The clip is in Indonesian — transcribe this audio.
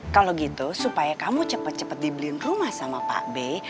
kalau gitu supaya kamu cepet cepet dibeliin rumah sama pak b